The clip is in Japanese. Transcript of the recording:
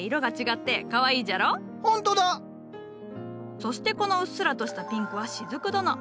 そしてこのうっすらとしたピンクはしずく殿。